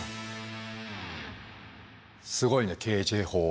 すごいねＫＪ法。